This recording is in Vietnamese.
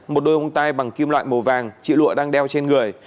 tuất đã dùng tay bằng kim loại màu vàng chị lụa đang đeo trên người